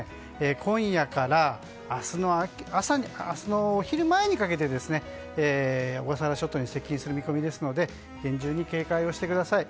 今夜から明日のお昼前にかけて小笠原諸島に接近する見込みですので厳重に警戒をしてください。